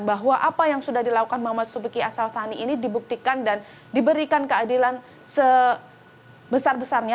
bahwa apa yang sudah dilakukan muhammad subiki asal tani ini dibuktikan dan diberikan keadilan sebesar besarnya